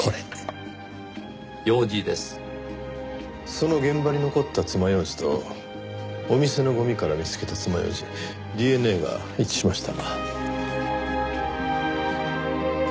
その現場に残った爪楊枝とお店のゴミから見つけた爪楊枝ＤＮＡが一致しました。